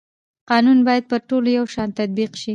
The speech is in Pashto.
قانون باید پر ټولو یو شان تطبیق شي